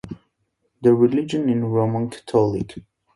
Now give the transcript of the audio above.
The religion is Roman Catholic.